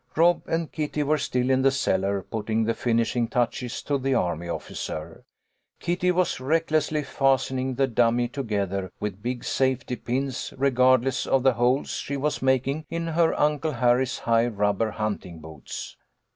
Rob and Kitty were still in the cellar, putting the finishing touches to the army officer. Kitty was recklessly fastening the dummy together with big safety pins, regardless of the holes she was making in her Uncle Harry's high rubber hunting boots.